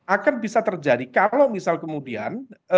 akan bisa terjadi kalau misal kemudian